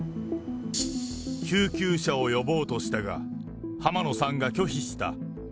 救急車を呼ぼうとしたが、浜野さんが拒否した。